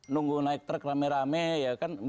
nunggu naik truk rame rame ya kan